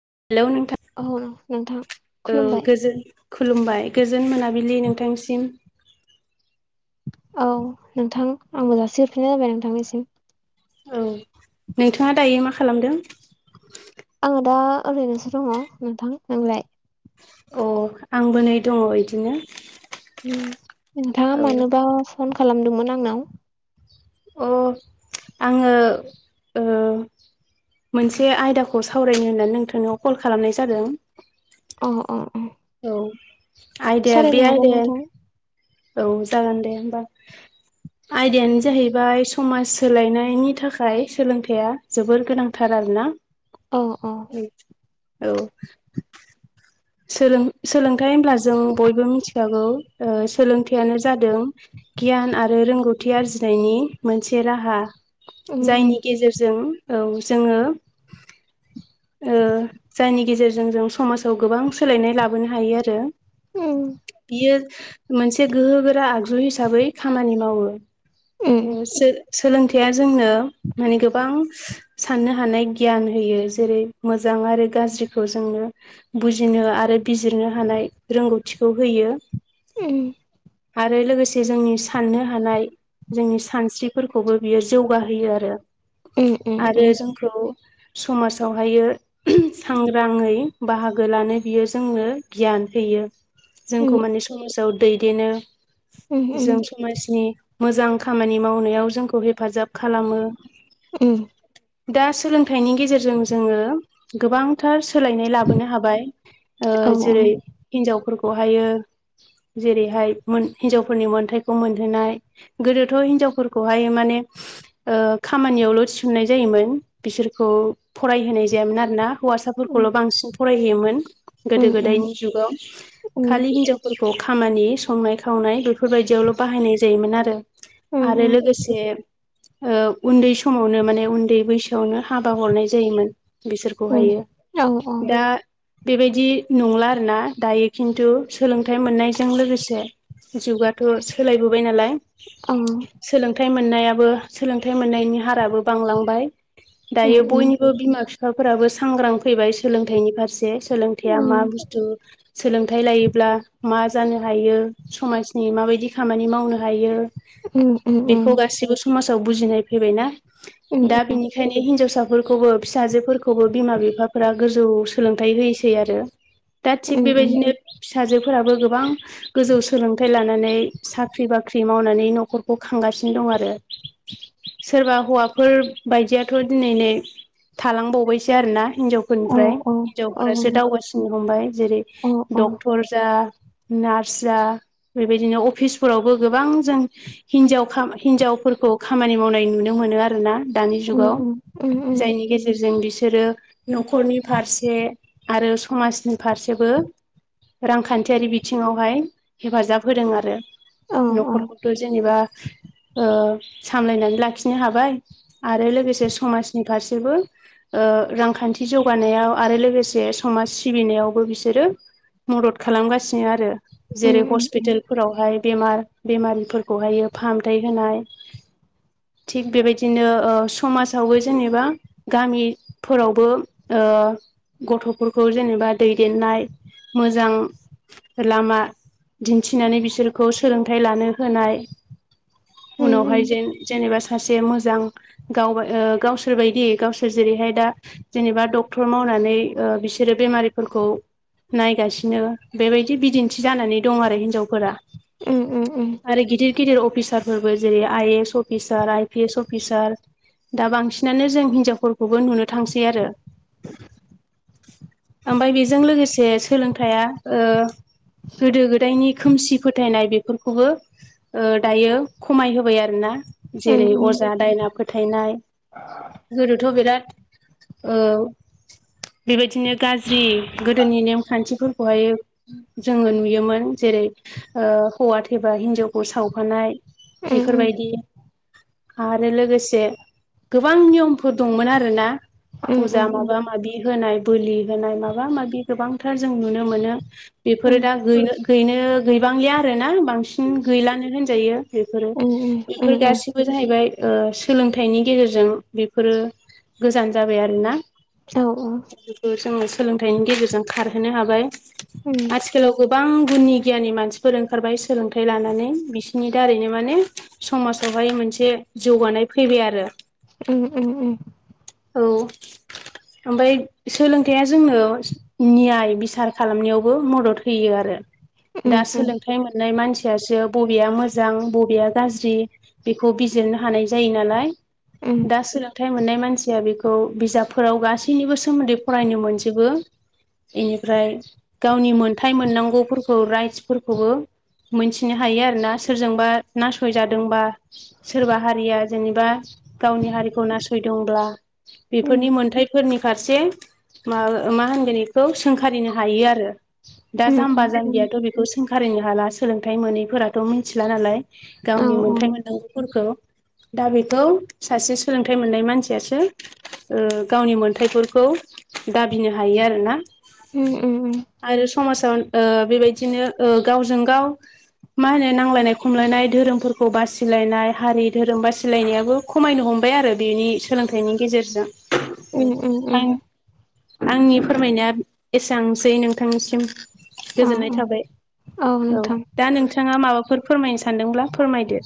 हेल' औ नोंथां। खुलुमबाय गोजोन खुलुमबाय गोजोन मोनाबिलि नोंथांसिम। औ नोंथां आंबो जासिहरफिननाय जाबाय नोंथांनिसिम। औ नोंथाङा दायो मा खालामदों? आंङो दा ओरैनोसो दङ नोंथां नोंलाय? अ आंबो नै दङ इदिनो। नोंथाङा औ मानोबा फन खालामदोंमोन आंनाव? अ आंङो ओ मोनसे आयदाखौ सावरायनो होननानै नोंथांनाव कल खालामनाय जादों। अ अ अ । औ आइदाया बे हागोन आइदाया नोंथां औ जागोन दे होमबा। आयदायानो जाहैबाय समाज सोलायनायनि थाखाय सोलोंथाइया जोबोर गोनांथार आरोना। औ औ। औ। सोलों सोलोंथाइ होनब्ला जों बयबो मिथिखागौ ओ सोलोंथाइयानो जादों गियान आरो रोंगौथि आरजिनायनि मोनसे राहा उम उम जायनि गेजेरजों औ जोंङो ओ जायनि गेजेरजों जों समाजाव गोबां सोलायनाय लाबोनो हायो आरो उम बियो मोनसे गोहोगोरा आगजु हिसाबै खामानि मावो उम सोलोंथाइया जोंनो माने गोबां साननो हानाय गियान होयो जेरै मोजां जां आरो गाज्रिखौ जोंङो बुजा जायनो आरो बिजिरनो हानाय रोंगौथिखौ होयो। उम आरो लोगोसे जोंनि साननो हानाय जोंनि सानस्रिफोरखौबो बियो जौगाहोयो आरो उम उम आरो उम जोंखौ समाजावहायो सांग्राङै बाहागो गोलानो बियो जोंनो गियान होयो जोंखौ माने समाजाव दैदेनो । जों समाजनि मोजां खामानि मावनायाव जोंखौ हेफाजाब खालामो। उम दा सोलोंथाइनि गेजेरजों जोंङो गोबांथार सोलायनाय लाबोनो हाब बाय ओ जेरै हिनजावफोरखौहायो जेरै हाय हिनजावफोरनि मोनथाइखौ मोनहोनाय गोदोथ' हिनजावफोरखौहाय मान माने ओ खामानियावल' थिसननाय जायोमोन बिसोरखौ फरायहोनाय जायामोन आरोना। हौवासाफोरखौल' बांसिन फरायहैयोमोन गोदो गोदायनि जुगाव खालि हिनजावफोरखौ खामानि संनाय खावनाय बेफोरबायदियावल' बाहायनाय जायोमोन आरो आरो लोगोसे ओ उन्दै समावनो माने उन्दै बैसोआवनो हाबा हरनाय जायोमोन। बिसोरखौहायो औ औ दा बेबायदि नंला आरोना दायो खिन्थु सोलोंथाइ मोननायजों लोगोसे जुगाथ' सोलायबोबाय नालाय औ सोलोंथाइ मोननायाबो सोलोंथाइ मोननायनि हाराबो बांलांबाय उम दायो उम बयनिबो सिमा बिफा फोराबो सांग्रां फैबाय सोलोंथाइनि फारसे सोलोंथाइया मा उम बुस्थु सोलोंथाइ लायोब्ला मा उम उम बेखौ गासिबो उम फोरखौबो फिसाजोफोरखौबो बिमा बिफाफोरा गोजौ सोलोंथाइ होयोसै आरो दा थिग उम उम बेबायदिनो फिसाजोफोराबो गोबां गोजौ सोलोंथाइ लानानै साख्रि बाख्रि मावनानै न'खरखौ खांगासिनो सिन दं आरो [inaudible] सोरबा हौवाफोर बायदियाथ' दिनै नै थालांबावबायसो आरोना हिनजाव औ फोरनिफ्राय औ औ हिनजावफोरासो दावगासिनो हमबाय जेरै औ औ डक्टर जा नार्स जा बेबायदिनो अफिसफोरावबो गोबां जों हिनजाव हिनजाव फोरखौ खामानि मावनाय नुनो मोनो आरोना दानि जुगाव जायनि गेजेरजों बिसोर बिसोरो न'खरनि फारसे आरो समाजनि फारसेबो रांखान्थियारि बिथिङावहाय हेफाजाब होदों आरो उम न'खरखौथ' जेनेबा ओ सामलायनानै लाखिनो हाबाय आरो लोगोसे समाजनि फारसेबो ओ रांखान्थि जौगानायाव आरो लोगोसे समाज सिबिनायावबो बिसोरो मदद खालामगासिनो आरो जेरै हस्पिटालफोरावहाय बेमार बेमारिफोरखौहायो फाहामथाय होनाय थिग बेबायदिनो ओ समाजावबो जेनेबा गामिफोरावबो ओ गथ'फोरखौ जेनेबा दैदेननाय मोजां लामा दिन्थिनानै बिसोरखौ सोलोंथाइ लानो होनाय उनावहाय जेन जेनेबा सासे से मोजां गाव गावसोर बायदि गावसोर जेरैहाय दा जेनेबा डक्टर मावनानै ओ बिसोरो बेमारिफोरखौ नायगासिनो बेबायदि बिदिन्थि जानानै दं आरो हिनजावफोरा आरो गिदिर गिदिर अफिस सार फोरबो जेरै I S officer I P S officer दा बांसिनानो जों हिनजावफोरखौबो नुनो थांसै आरो ओमफाय बेजों लोगोसे सोलोंथाया ओ गोदो गोदायनि खोमसि फोथायनाय बेफोरखौबो ओ दायो खमायहोबाय आरोना जेरै अजा दायना फोथायनाय गोदोथ' बिराद औ बेबायदिनो गाज्रि गोदोनि नेमखान्थिफोरखौहाय जोङो नुयोमोन जेरै ओ हौवा थैबा हिन्जावखौ सावफानाय बेफोरबायदि आरो लोगोसे गोबां नियमफोर दंमोन आरोना फुजा माबा माबि होनाय बोलि होनाय माबा माबि गोबांथार जों नुनो मोनो बेफोरो दा गैनो गैबांलिया आरोना बांसिन गैलानो होनजायो बेफोरो बेफोर गासैबो जाहैबाय सोलोंथाइनि गेजेरजों बेफोरो गोजान जाबाय आरोना बेखौ जोङो सोलोंथाइनि गेजेरजों खारहोनो हाबाय आथिखालाव बो गोबां गुननि गियााननि मानसिफोर ओंखारबाय सोलोंथाइ लानानै बिसिनि दारैनो माने समाजाव ओमफाय मोनसे जौगानाय फैबाय आरो उम उम उम औ ओमफाय सोलोंथाइया जोंनो नियाय बिसार खालामनायावबो मदद होयो आरो दा सोलोंथाइ मोननाय मानसियासो बबेया मोजां बबेया गाज्रि बेखौ बिजिरनो हानाय जायो नालाय दा सोलोंथाइ मोननाय मानसि रां बेखौ बिजाबफोराव गासैनिबो सोमोन्दै फरायनो मोनजोबो बेनिफ्राय गावनि मोन्थाय मोननांगौफोरखौ राइटसफोरखौबो मोनथिनो हायो आरोना सोरजोंबा नासयादोंबा सोरबा हारिया जेनेबा गावनि हारिखौ नासयदोंब्ला बेफोरनि मोनथायफोरनि फारसे मा मा होनगोन इखौ सोंखारिनो हायो आरो दा उम जाम्बा जामबियाथ' उम बे बेखौ सोंखारिनो हाला सोलोंथाइ मोनैफोराथ' मिथिला नालाय गावनि मोनथाय उम मोननांगौफोरखौ दा बेखौ सासे सोलोंथाइ मोननाय मानसियासो ओ गावनि मोन्थाइफोरखौ दाबिनो हायो आरोना उम आरो समाजाव ओ बेबायदिनो गावजों गाव मा होनो नांलायनाय खमलायनाय धोरोमफोरखौ बासिलायनाय हारि धोरोम बासिलायनायाबो खमायनो हमो हमबाय आरो बिनि सोलोंथाइनि गेजेरजों फाइन आंनि फोरमायनाया एसांसै नोंथांनिसिम औ गोजोननाय थाबाय औ नोंथां नोंथांङा माबाफोर फोरमायनो सानदोंब्ला फोरमायदो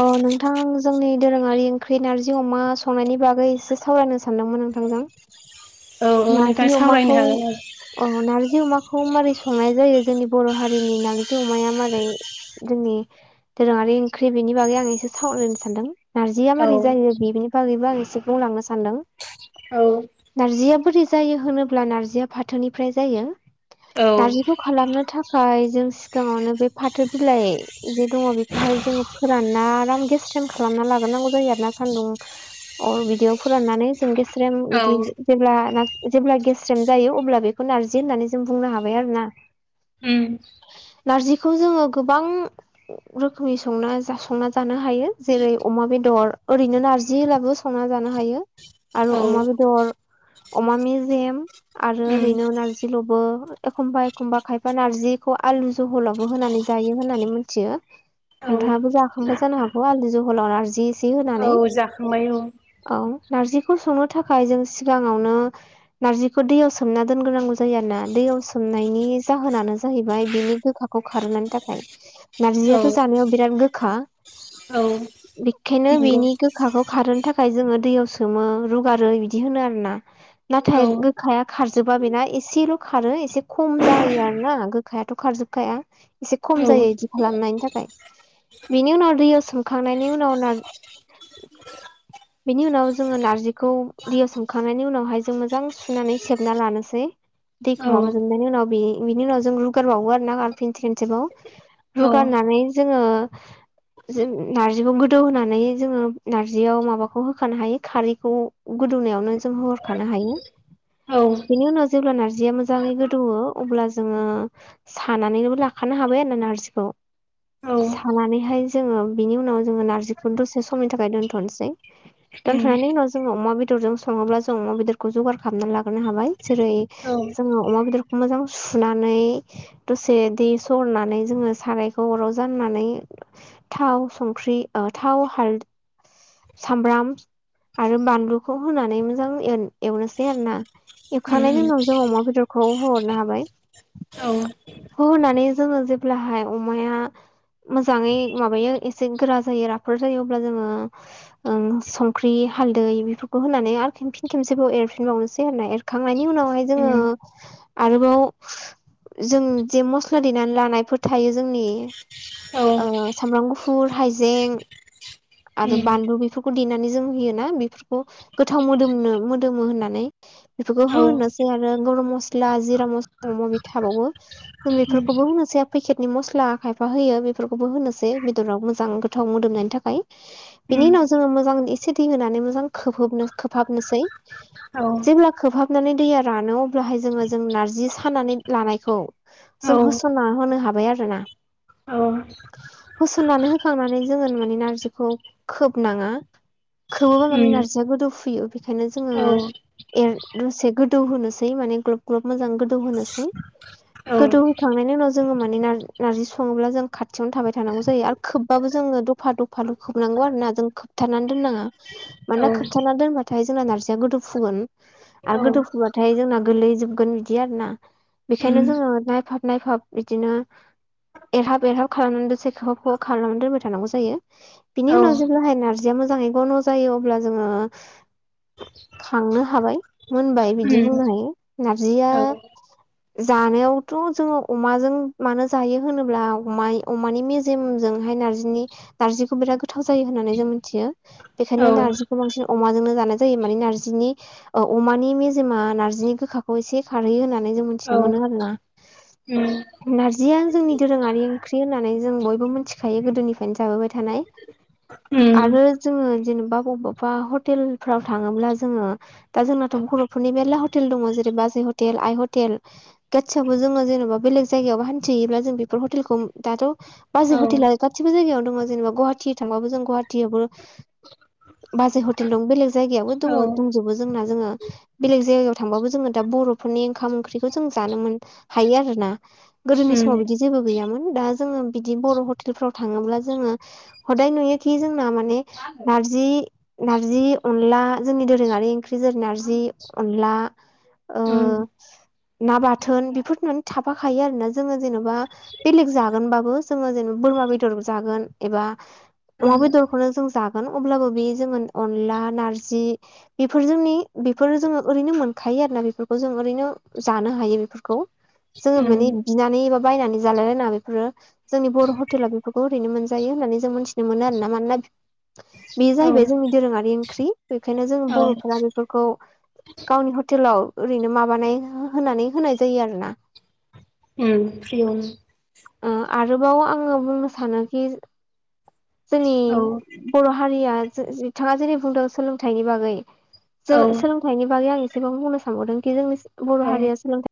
अ नोंथां जोंनि दोरोङारि ओंख्रि नारजि अमा संनायनि बागै एसे सावरायनो सानदोंमोन नोंथांजों [inaudible] औ औ नोंथां नारजि सावरायनो अमाखौ हागोन औ नारजि अमाखौ मारै संनाय जायो जोंनि बर' हारिनि नारजि अमाया मारै जोंनि दोरोङारि ओंख्रि बेनि बागै आं एसे सावरायनो सानदों नार्जिया औ माबोरै जायो बेनि बागैबो आं एसे बुंलांनो सानदों औ नारजिया बोरै जायो होनोब्ला नारजिया फाथोनिफ्राय जायो औ नारजिखौ खालामनो थाखाय जों सिगाङावनो बे फाथो बिलाइ जे दङ बेखौहाय जों फोरानना आराम गेस। खालामना लाग्रोनांगौ जायो आरोना सान्दुं अ बिदिअ फोराननानै जों गेस्रेम औ बिदि जेब्ला जेब्ला गेस्रेम जायो अब्ला बेखौ नारजि होननानै जों बुंनो हाबाय आरो ना ? ओ नारजिखौ जोङो गोबां रोखोमनि संना जानो हायो जेरै अमा बेदर ओरैनो नारजिब्लाबो संना जानो हायो आरो औ अमा बेदर अमा मेजेम आरो उम ओरैनो नारजिलबो। एखमबा एखमबा खायफा नारजिखौ आलु जहलावबो होनानै जायो होननानै मिथियो। औ नोंथाङाबो जाखांबाय जानो हागौ आलुनि जहलाव नारजि एसे औ होनानै। जाखांबाय औ नारजिखौ संनो थाखाय जों सिगाङावनो नारजिखौ दैयाव सोमना दोनग्रोनांगौ जायो आरोना दैयाव सोमनायनि जाहोनानो जाहैबाय बिनिल गोखाखौ खारनायनि थाखाय औ नारजियाथ' जानायाव बिराद गोखा औ बेखायनो नंगौ बेनि गोखाखौ खारहो थाखाय जोङो दैयाव रुगारो बिदि होनो आरोना औ नाथाय गोखाया खारजोबा बेना एसेल' खारो एसे खम जयो आरो ना गोखायाथ' खारजोबखाया एसे खम जायो बिदि खालामनायनि थाखाय बिनि उनाव दैयाव संखांनायनि उनाव नार्जिआ। बेनि उनाव जोङो नारजिखौ दैयाव सोमखांनायनि उनाव हायो मोजां सुनानै सेबना लानोसै औ दैखौ माबााजोबनायनि उनाव बिनि उनाव जों रुगारबावो आरो ना आर फिनसे खेनसेबाव औ रुगारनानै जोङो जों नार्जिखौ दौनानै जोङो नारजियाव माबाखौ होखानो हायो खारैखौ गोदौनायावनो जों खानो हायो औ बेनि उनाव जेब्ला नार्जि जिआ मोजाङै गोदौओ अब्ला जोङो सानानैनोबो लाखानो हाबाय आरोना नार्जिखौ। सानानैहाय जोङो बिनि उनाव जोङो नार्जिखौ दसे समनि थाखाय दोनथ'नोसै। दोनथ'नायनि उनाव जोङो अमा बेदरजों सङोब्ला जों अमा बेदरखौ जगार खालामना लागोग्रोनो हाबाय जेरै जोङो अमा बेदरखौ मोजां सुनानै दसे दै सरनानै जोङो सारायखौ अराव जाननानै थाव संख्रि ख्रि ओ‌ थाव हालद सामबाब्र आरो बानलुखौ होनानै मोजां एन एवनोसै आरो ना एवखांनायनि उनाव जों अमा बेदरख खौ होहर नो हाबाय। औ होहोनानै जोङो जेब्लाहाय अमाया मोजाङै माबायो एसे गोरा जायो राफोद जायो अब्ला जोङो ओ संख्रि हालदै बेफोरखौ होनानै आर खेमफिन खेबसेबाव एरफिनबावनोसै [unintelligible] एरखांनायनि उनाव। [unintelligible] हाय जोङो उम आरोबाव जों जे मस्ला देनानै लानायफोर थायो जोंनि औ ओ सामब्राम गुफुर हाइजें आरो उम बानलु बेफो खौ देनानै जों होयोना बेफोरखौ गोथाव मोदोमनो मोदोमो होननानै बेफोरखौ औ उम औ होनना सो आनो गरम मसला जिरा मस माबा मुबि थाबावो उम बेफोरखौबो होनोसै पेकेट नि मसला बा खायफा होयो बेफोरखौबो होनोसै बेदराव मोजां गोथाव मोदोमनायनि थाखाय बिनि उम उनाव जोङो मोजां एसे दै होनानै मोजां खोबहोबनो खोबहाबनोसै औ औ जेब्ला खोबहाबनानै दैया रानो अब्लाहाय जोङो जों नारजि सानानै लानायखौ औ उम औ उम औ उम औ उम औ जों उम होसनना होनो हाबाय आरो ना। होसननानै होखांनानै जोङो माने नारजिखौ खोबनाङा। खोबोबा माने नारजिया गोदौ फुयो बेखायनो जोङो एर दसे गोदौ होनोसै माने ग्लब ग्लब मोजां गोदौ होनोसै। गोदौ होखांनायनि उनाव जोङो माने नार-नारजि सङोब्ला जों खाथियावनो थाबाय थानांगौ जायो आरो खोबबाबो जों [unintelligible] दफा दफ फालु खोबनांगौ आरो ना जों खोबथानानै दोननाङा मानोना खोबथाना दोनबाथाय जोंना नारजिया गोदौ फुङो [unintelligible] आरो गोदौ फुबाथाय जोंना गोलै जोबगोन बिदि आरोना बेखायनो जोङो नायफाब नायफाब बिदिनो एरहाब एरहाब खालामनानै दसे खोबहाब खोबहाब खालामनानै दोनबाय थानांगौ जायो। बिनि उनाव जेब्लाहाय नारजिया मोजाङै गन' जायो अब्ला जोङो खांनो हाबाय मोनबाय बिदि बुंनो हायो नार्जिआ जानायावथ' जोङो अमाजों मानो जायो होनोब्ला अमाय अमानि मेजेमजोंहाय नारजिनि नारजिखौ बिराद गोथाव जायो होननानै जों मिथियो बेनिखायनो नारजिखौ बांसिन अमाजोंनो जानाय जायो मानि नारजिनि नि ओ अमानि मेजेमा नारजिनि गोखाखौ एसे खारहोयो होननानै जों मिथिनो मोनो आरो ना उम नारजिया जोंनि दोरोङारि ओंख्रि होननानै जों बयबो मोनथिखायो गोदोनिफ्रायनो जाबोबाय थानाय। आरो जोङो जेनेबा बबावबा हटेलफ्राव थाङोब्ला जोङो दा जोंनाथ' बर'फोरनि मेरला हटेल दङ' जेरै बाजै हटेल आइ हटेल गासियावबो जोङो जेनेबा बेलेग जायगायाव हानथियोब्ला जों बेफोर हटेलखौ दाथ' बाजै हटेला गासिबो जायगायाव दङ' जेनेबा गुवाहाटि थांबाबो जों गुवाहाटियावबो बाजै हटेल दं बेलेग जायगायावबो दङ' दंजोबो जोंना जोङो बेलेग जायगायाव थांबाबो जोङो दा बर'फोरनि ओंखाम ओंख्रिखौ जों जानो मोन हायो आरोना गोदोनि समाव बिदि जेबो गैयामोन दा दा जोङो बिदि बर' हथेलफ्राव थाङोब्ला जोङो। हदाय नुयोखि जोंना माने नारजि - नारजि अनला जोंनि दोरोङा रि ओंख्रि जेरै नारजि अनला ओ ना बाथोन बेफोर [unintelligible] थाफाखायो आरोना जोङो जेन'बा बेलेग जागोनबाबो जोङो जेनेब बोरमा बेदर जागोन एबा अमा बेदरखौनो जों जा गोन अब्लाबो बे जों अनला नारजि बेफोर जोंनि बेफोर जोङो ओरैनो मोनखायो। खायो आरोना बेफोरखौ जों ओरैनो जानो हायो बेफोरखौ। जोङो माने उम बिनानै एबा बायनानै जालायलायनाङा बेफोरो जोंनि बर' हटेला बेफोरखौ ओरैनो मोन जायो होननानै जों मिथिनो मोनो आरोना मानोना बे औ जाहैबाय जोंनि दोरोङारि ओंख्रि। बेखायनो जों बर'फोरा बेफोरखौ गावनि हटेलाव ओरैनो माबानाय होनानै होनाय जायो आरोना। उम उम। उम आरोबाव आङो बुंनो सानोखि जोंनि बर' हारिया बिथाङा जेरै बुंदों सोलोंथाइनि बागै। औ सोलो सोलोंथाइनि बागै आं एसेबां बुंनो सानबावदोंखि जोंनि बर' औ हारिया सोलोंथाइ